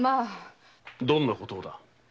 どんなことだ？